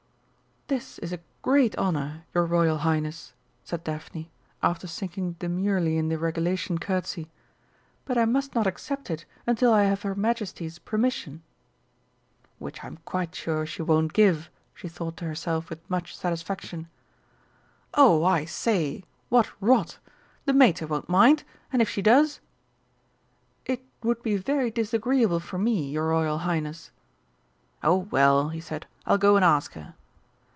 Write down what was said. "This is a great honour, your Royal Highness," said Daphne, after sinking demurely in the regulation curtsey. "But I must not accept it until I have her Majesty's permission." ("Which I'm quite sure she won't give!" she thought to herself with much satisfaction.) "Oh, I say what rot! The Mater won't mind! And if she does !" "It would be very disagreeable for me, your Royal Highness!" "Oh, well," he said, "I'll go and ask her."